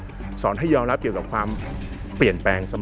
ศาสนาพุทธเนี่ยสอนให้ยอมรับเกี่ยวกับความเปลี่ยนแปลงเสมอ